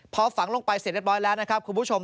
พอฝังลงไปเสร็จเรียบร้อยแล้วนะครับคุณผู้ชม